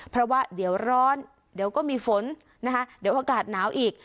เพราะว่าเดี๋ยวร้อนเดี๋ยวก็มีฝนนะคะเดี๋ยวอากาศหนาวอีก